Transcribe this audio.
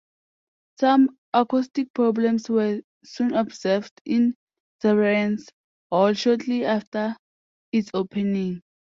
Some acoustic problems were soon observed in Severance Hall shortly after its opening.